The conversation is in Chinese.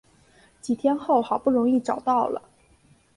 几天后好不容易找到了